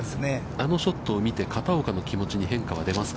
あのショットを見て、片岡の気持ちに変化は出ますか。